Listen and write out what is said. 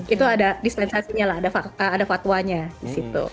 itu ada dispensasinya lah ada fatwanya di situ